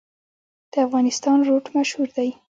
د افغانستان روټ مشهور دی